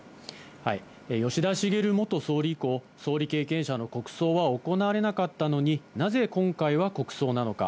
吉田茂元総理以降、総理経験者の国葬は行われなかったのに、なぜ今回は国葬なのか。